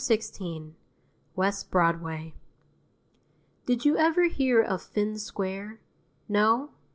WEST BROADWAY Did you ever hear of Finn Square? No?